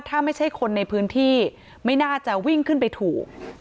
ถ้าไม่ใช่คนในพื้นที่ไม่น่าจะวิ่งขึ้นไปถูก